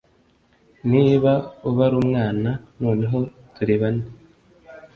niba ubara umwana, noneho turi bane.